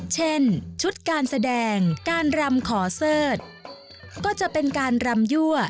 เช่นชุดการแสดงการรำขอเสิร์ธก็จะเป็นการรำยั่ว